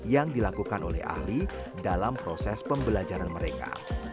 yang dilakukan oleh ahli dalam proses pembelajaran mereka